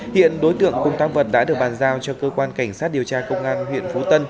hiện đối tượng cùng tăng vật đã được bàn giao cho cơ quan cảnh sát điều tra công an huyện phú tân